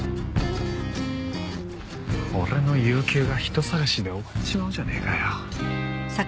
俺の有休が人捜しで終わっちまうじゃねえかよ。